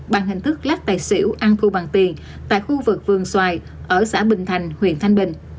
bằng hình thức lắc tài xỉu ăn thu bằng tiền tại khu vực vườn xoài ở xã bình thành huyện thanh bình